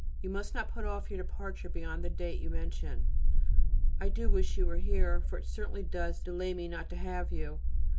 You must not put off your departure beyond the date you mention. I do wish you were here, for it certainly does delay me not to have you.